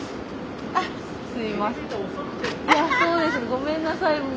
ごめんなさい。